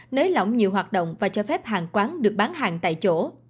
nới lỏng nhiều hoạt động và cho phép hàng quán được bán hàng tại chỗ